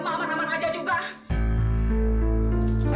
orang pedang aman aman aja juga